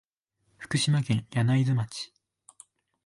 福島県柳津町